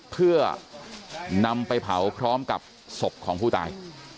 เพื่อนำไปเผาพร้อมกับศพของผู้ตาย